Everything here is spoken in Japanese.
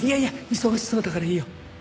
忙しそうだからいいよ。